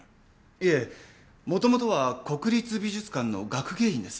いえ元々は国立美術館の学芸員です。